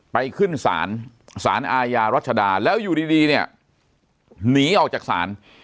ขึ้นศาลศาลอาญารัชดาแล้วอยู่ดีเนี่ยหนีออกจากศาล